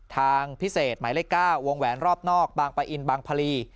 ทางพิเศษหมายเลข๙วงแหวนรอบนอกบางปะอินบางพลี